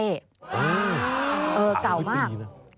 อืมสามสิบปีน่ะ